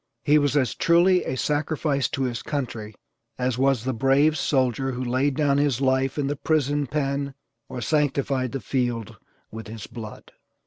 He was as truly a sacrifice to his country as was the brave soldier who laid down his life in the prison pen or sanctified the field with his blood.